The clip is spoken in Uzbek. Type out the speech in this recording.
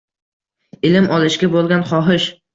Ilm olishga bo’lgan xohish